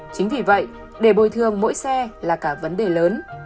chính vì vậy để bồi thường mỗi xe là cả vấn đề lớn